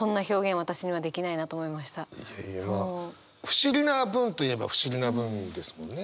不思議な文といえば不思議な文ですもんね。